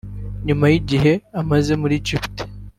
nyuma y'igihe amaze muri Djibouti